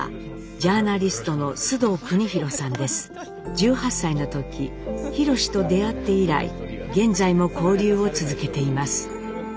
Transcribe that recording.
１８歳の時ひろしと出会って以来現在も交流を続けています。